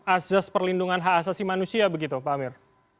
asas perlindungan hak asasi manusia begitu pak amir